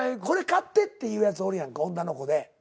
「これ買って」って言うやつおるやんか女の子で。